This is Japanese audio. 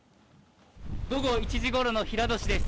午後１時ごろの平戸市です。